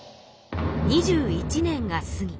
２１年が過ぎ。